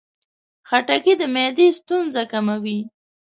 خټکی د معدې ستونزې کموي.